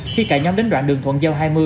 khi cả nhóm đến đoạn đường thuận giao hai mươi